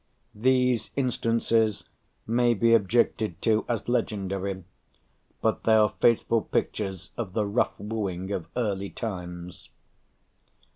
These instances may be objected to as legendary, but they are faithful pictures of the rough wooing of early times.